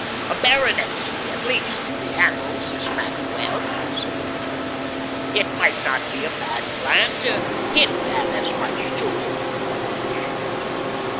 A baronetcy, at least, if he handles this matter well," said Peter. "It might not be a bad plan to hint at as much to him, Coblich."